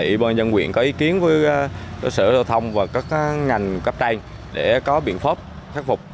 vì ủy ban dân quyền có ý kiến với sự lưu thông và các ngành cấp tranh để có biện pháp khắc phục